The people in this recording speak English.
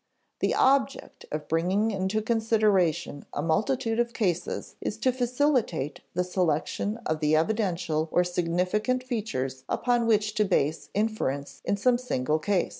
_The object of bringing into consideration a multitude of cases is to facilitate the selection of the evidential or significant features upon which to base inference in some single case.